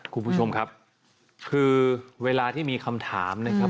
คุณผู้ชมครับคือเวลาที่มีคำถามนะครับ